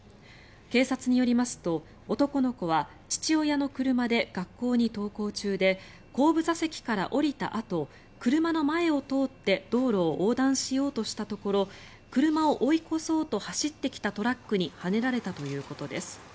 警察によりますと、男の子は父親の車で学校に登校中で後部座席から降りたあと車の前を通って道路を横断しようとしたところ車を追い越そうと走ってきたトラックにはねられたということです。